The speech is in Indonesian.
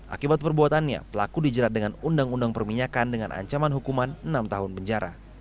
akibat perbuatannya pelaku dijerat dengan undang undang perminyakan dengan ancaman hukuman enam tahun penjara